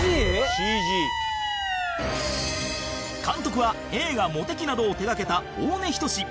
「ＣＧ」監督は映画『モテキ』などを手掛けた大根仁